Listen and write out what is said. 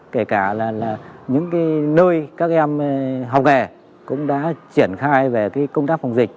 kể cả là những nơi các em học nghề cũng đã triển khai về công tác phòng dịch